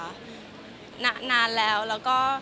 นานแล้วแล้วก็